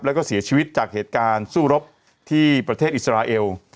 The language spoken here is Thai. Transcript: แล้วก็เสียชีวิตจากเหตุการณ์สู้รบที่ประเทศอิสราเอล